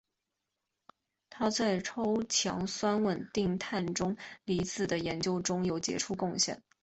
他在超强酸稳定碳正离子的研究中有杰出贡献。